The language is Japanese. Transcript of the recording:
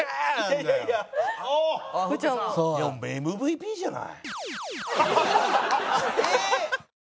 ＭＶＰじゃない。